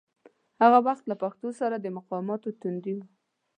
هغه وخت له پښتو سره د مقاماتو تندي و.